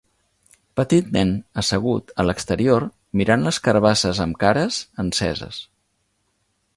Petit nen assegut a l'exterior mirant les carbasses amb cares, enceses.